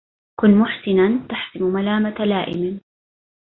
كن محسنا تحسم ملامة لائم